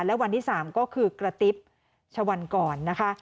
และวันที่๓ก็คือกระติ๊บชะวันกรนะคะ